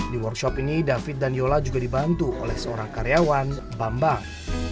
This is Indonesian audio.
di workshop ini david dan yola juga dibantu oleh seorang karyawan bambang